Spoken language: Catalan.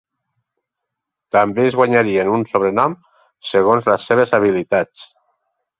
També es guanyarien un sobrenom segons les seves habilitats.